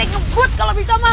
ngebut kalau bisa mak